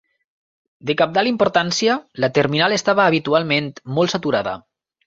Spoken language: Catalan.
De cabdal importància, la terminal estava habitualment molt saturada.